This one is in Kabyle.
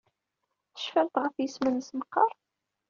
Tecfamt ɣef yisem-nnes meqqar?